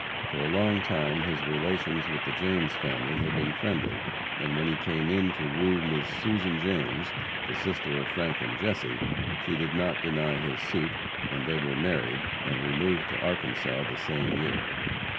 For a long time his relations with the James family had been friendly, and when he came to woo Miss Susan James, the sister of Frank and Jesse, she did not deny his suit, and they were married, and removed to Arkansas the same year.